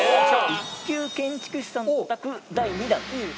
１級建築士さんのお宅第２弾。